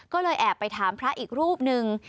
ก็เลยแอบไปถามพระอีกรูปหนึ่ง